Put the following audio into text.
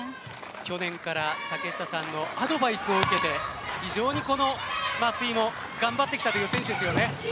去年から竹下さんのアドバイスを受けて非常にこの松井も頑張ってきたという選手ですね。